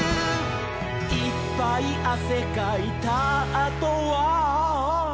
「いっぱいあせかいたあとは」